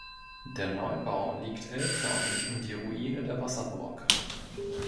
Der Neubau liegt L-förmig um die Ruine der Wasserburg.